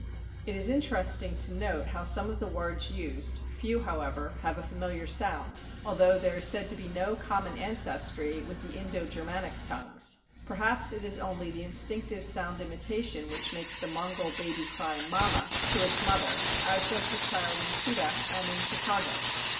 It is interesting to note how some of the words used (few, however) have a familiar sound — although there is said to be no common ancestry with the Indo Ger manic tongues; perhaps it is only the instinctive soimd imitation which makes the Mongol baby cry "Mamma" to its mother, as does the child in Chita and in Chicago.